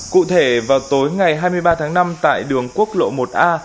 cụ thể vào tối ngày hai mươi ba tháng năm tại đường quốc lộ một a